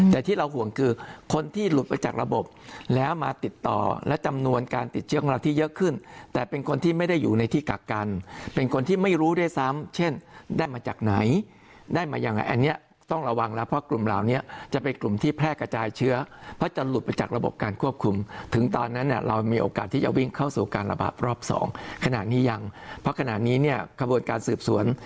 แต่ที่เราห่วงคือคนที่หลุดไปจากระบบแล้วมาติดต่อและจำนวนการติดเชื้อของเราที่เยอะขึ้นแต่เป็นคนที่ไม่ได้อยู่ในที่กักกันเป็นคนที่ไม่รู้ได้ซ้ำเช่นได้มาจากไหนได้มายังไงอันนี้ต้องระวังแล้วเพราะกลุ่มเหล่านี้จะเป็นกลุ่มที่แพร่กระจายเชื้อเพราะจะหลุดไปจากระบบการควบคุมถึงตอนนั้นเรามีโอกาสที่จะวิ่งเข้